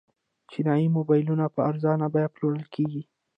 چینايي موبایلونه په ارزانه بیه پلورل کیږي.